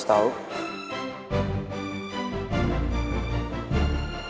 sam juga harus tau